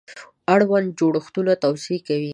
اړوند جوړښتونه توضیح کوي.